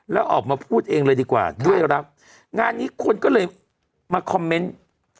แล้วออกมาพูดเองเลยดีกว่าด้วยรักงานนี้คนก็เลยมาคอมเมนต์